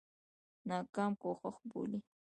ناکام کوښښ بولي.